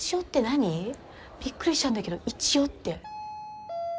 ビックリしたんだけど一応って。